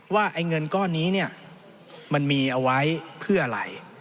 ว่าเงินก้อนนี้มันมีเอาไว้เพื่ออะไร